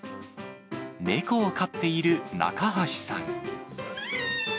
猫を飼っている中橋さん。